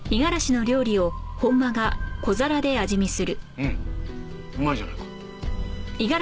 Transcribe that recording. うんうまいじゃないか。